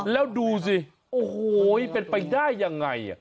แล้วดูสิโอ้โหเป็นไปได้ยังไง